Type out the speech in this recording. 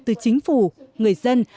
từ chính phủ người dân